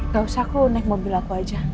gak usah aku naik mobil aku aja